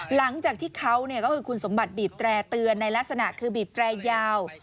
หลังจากที่เขาก็คือคุณสมบัติบีบแตร่เตือนในลักษณะคือบีบแตรยาว